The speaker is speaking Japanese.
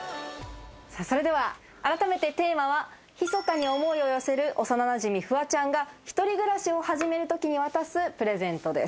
それでは改めてテーマはひそかに思いを寄せる幼なじみフワちゃんが一人暮らしを始めるときに渡すプレゼントです。